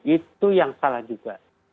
itu yang salah juga